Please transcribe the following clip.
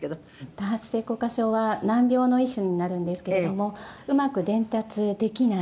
多発性硬化症は難病の一種になるんですけれどもうまく伝達できない。